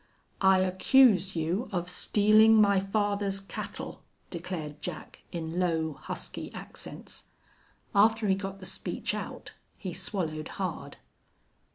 "I accuse you of stealing my father's cattle," declared Jack, in low, husky accents. After he got the speech out he swallowed hard.